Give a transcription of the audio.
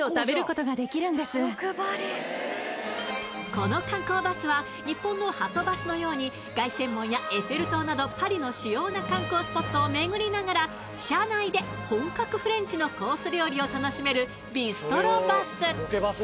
この観光バスは日本のはとバスのように凱旋門やエッフェル塔などパリの主要な観光スポットを巡りながら車内で本格フレンチのコース